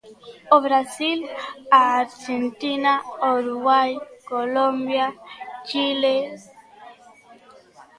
O Brasil, a Arxentina, o Uruguai, Colombia, Chile.